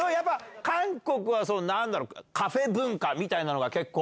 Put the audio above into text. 韓国は、そのなんだろう、カフェ文化みたいなのが結構。